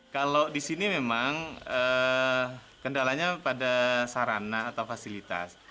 kalau di sini memang kendalanya pada sarana atau fasilitas